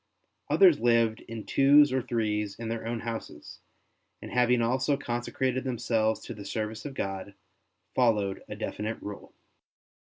Others lived in twos or threes in their own houses, and having also conse crated themselves to the service of God, followed a definite rule.